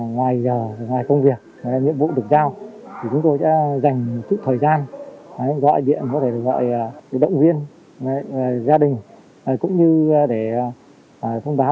ngoài giờ ngoài công việc nhiệm vụ được giao thì chúng tôi sẽ dành một chút thời gian gọi điện gọi động viên gia đình cũng như để phong báo với gia đình là chúng tôi ở đây luôn yên tâm tư tưởng công tác để xác định tốt được cái nhiệm vụ mà cấp tiêm cho phó